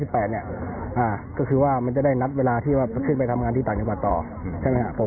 เพราะเห็นกล้องจอติดก็มีรถภรรยาพ่อผมน่ะเข้าออกอยู่เดียว